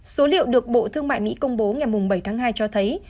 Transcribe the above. số liệu được bộ thương mại mỹ công bố ngày bảy tháng hai cho thấy